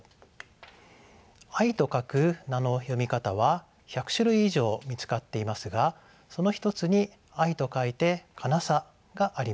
「愛」と書く名の読み方は１００種類以上見つかっていますがその一つに「愛」と書いて「かなさ」があります。